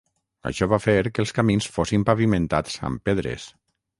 Això va fer que els camins fossin pavimentats amb pedres.